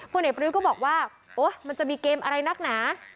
พวกเหน็ตประดูกก็บอกว่าโอ๊ะมันจะมีเกมอะไรนักหนา